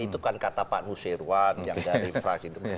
itu kan kata pak nusirwan yang dari infrasi itu